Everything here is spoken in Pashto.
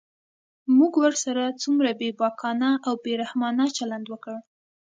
موږ ورسره څومره بېباکانه او بې رحمانه چلند وکړ.